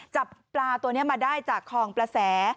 จับปลาตัวนี้มาได้จากคลองประแส